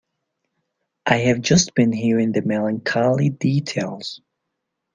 I have just been hearing the melancholy details.